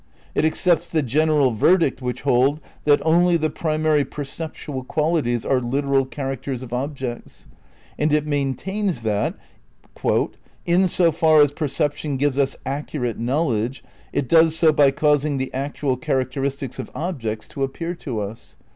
It accepts '' the general verdict which hold that only the primary perceptual qualities are lit eral characters of objects," and it maintains that "in so far as perception gives us accurate knowledge, it does so by causing the actual characteristics of objects to appear to us.